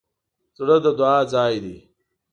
زړه د دعا ځای دی.